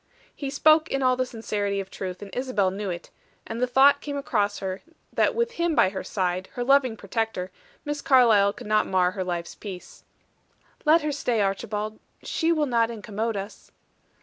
He spoke in all the sincerity of truth, and Isabel knew it: and the thought came across her that with him by her side, her loving protector, Miss Carlyle could not mar her life's peace. "Let her stay, Archibald; she will not incommode us."